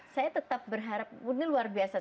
saya tetap berharap ini luar biasa